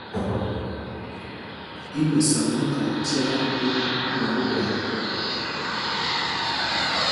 Í Mɛsaláŋga tyaa tūnd ɓɛ̌ Ogwâp.